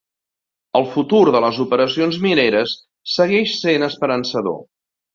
El futur de les operacions mineres segueix sent esperançador.